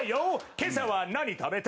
「今朝は何食べた？